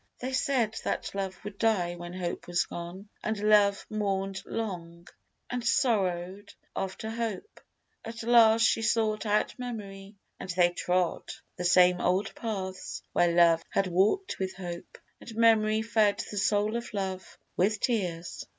They said that Love would die when Hope was gone, And Love mourned long, and sorrowed after Hope; At last she sought out memory, and they trod The same old paths where Love had walked with Hope, And Memory fed the soul of Love with tears.